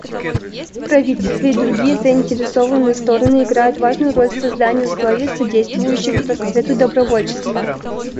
Правительства и другие заинтересованные стороны играют важную роль в создании условий, содействующих расцвету добровольчества.